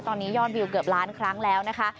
ตอนนี้ยอดวิวเกือบล้านครั้งแล้วนะคะ